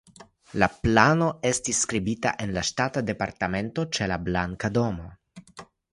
La plano estis skribita en la Ŝtata Departemento ĉe la Blanka Domo.